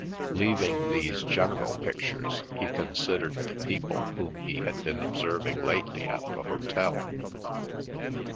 Leaving these general pictures he considered the people whom he had been observing lately at the hotel.